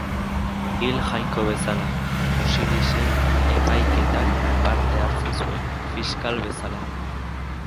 Hil jainko bezala, Osirisen epaiketan parte hartzen zuen, fiskal bezala.